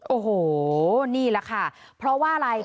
โอ้โหนี่แหละค่ะเพราะว่าอะไร